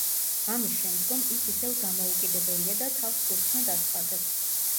ამის შემდგომ ის ისევ დამოუკიდებელია და თავს სულთნად აცხადებს.